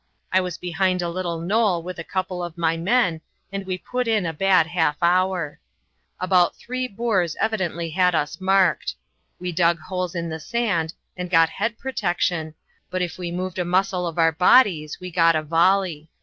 I was behind a little knoll with a couple of my men, and we put in a bad half hour. About three Boers evidently had us marked. We dug holes in the sand, and got head protection, but if we moved a muscle of our bodies we got a volley."